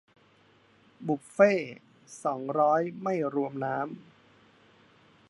บุฟเฟ่ต์สองร้อย ไม่รวมน้ำ